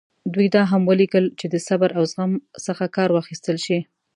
دوی دا هم ولیکل چې د صبر او زغم څخه کار واخیستل شي.